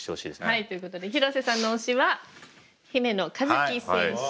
はいということで廣瀬さんの推しは姫野和樹選手。